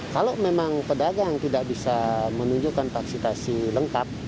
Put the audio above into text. kalau memang pedagang tidak bisa menunjukkan vaksinasi lengkap